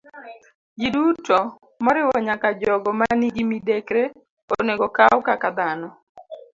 Jiduto, moriwo nyaka jogo ma nigi midekre, onego okaw kaka dhano.